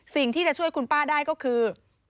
สิ่งที่จะช่วยคุณป้าได้ก็คือ